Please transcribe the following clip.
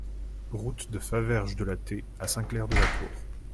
Route de Faverges de la T à Saint-Clair-de-la-Tour